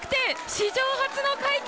史上初の快挙